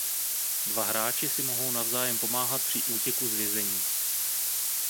Dva hráči si mohou navzájem pomáhat při útěku z vězení.